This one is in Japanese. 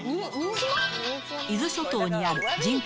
伊豆諸島にある人口